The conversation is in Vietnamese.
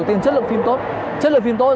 thì đầu tiên chất lượng phim tốt